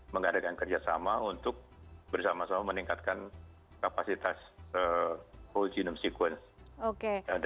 mengadakan kerjasama untuk bersama sama meningkatkan kapasitas whole genome sequence